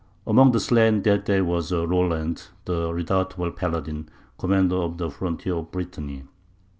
Among the slain that day was Roland, the redoubtable Paladin, commander of the frontier of Brittany.